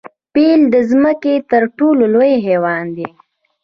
پیل د ځمکې تر ټولو لوی حیوان دی